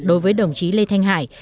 đối với đồng chí lê thanh hải